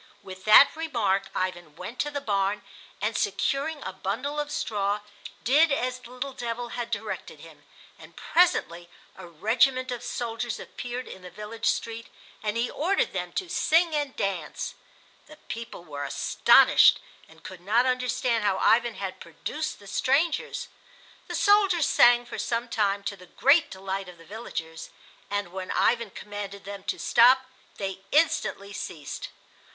With that remark Ivan went to the barn and, securing a bundle of straw, did as the little devil had directed him; and presently a regiment of soldiers appeared in the village street, and he ordered them to sing and dance. The people were astonished and could not understand how Ivan had produced the strangers. The soldiers sang for some time, to the great delight of the villagers; and when Ivan commanded them to stop they instantly ceased.